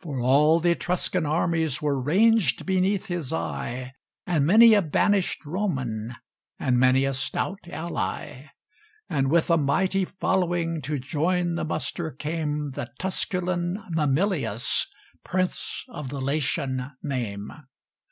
For all the Etruscan armies Were ranged beneath his eye, And many a banished Roman, And many a stout ally; And with a mighty following To join the muster came The Tusculan Mamilius, Prince of the Latian name.